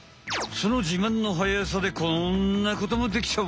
そのじまんのはやさでこんなこともできちゃう！